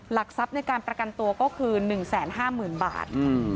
หลักทรัพย์ในการประกันตัวก็คือ๑๕๐๐๐บาท